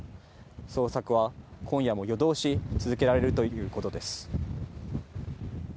捜索は今夜も夜通し続けられるということです。